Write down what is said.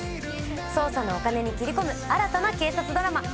捜査のお金に斬り込む新たな警察ドラマ。